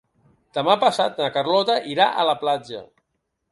Demà passat na Carlota irà a la platja.